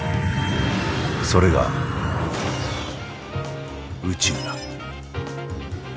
それが宇宙だ。